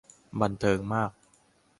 บันเทิงมาก